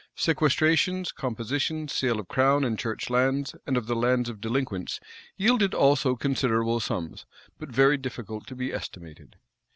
[v] Sequestrations, compositions, sale of crown and church lands, and of the lands of delinquents, yielded also considerable sums, but very difficult to be estimated.